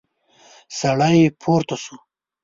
سړی پورته شو.